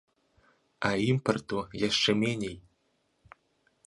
А імпарту яшчэ меней.